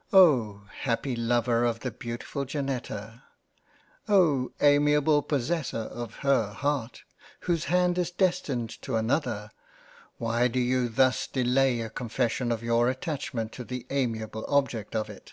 " Oh ! happy Lover of the beautifull Janetta, oh ! amiable Possessor of her Heart whose hand is destined to another, why do you thus delay a confession of your attachment to the amiable Object of it